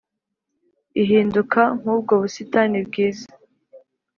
ihinduka nk’ubwo busitani bwiza